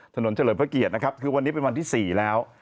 ถนนเจริญนที่คือวันนี้เป็นวันที่๔แล้ว